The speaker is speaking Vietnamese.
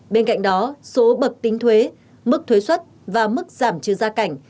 bên cạnh đó số bậc tính thuế mức thuế xuất và mức giảm trừ gia cảnh